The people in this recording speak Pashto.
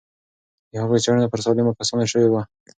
د هغوی څېړنه پر سالمو کسانو شوې وه.